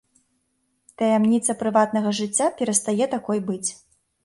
Таямніца прыватнага жыцця перастае такой быць.